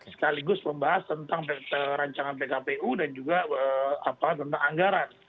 sekaligus membahas tentang rancangan pkpu dan juga tentang anggaran